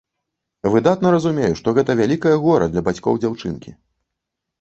Выдатна разумею, што гэта вялікае гора для бацькоў дзяўчынкі.